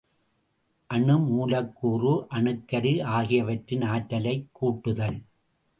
அணு மூலக்கூறு, அணுக்கரு ஆகியவற்றின் ஆற்றலைக் கூட்டுதல்.